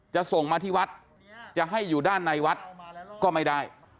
จะส่งมาที่วัดจะให้อยู่ด้านในวัดก็ไม่ได้